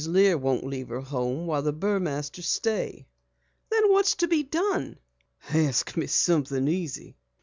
Lear won't leave her home while the Burmasters stay." "What's to be done?" "Ask me something easy."